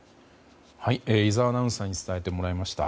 井澤アナウンサーに伝えてもらいました。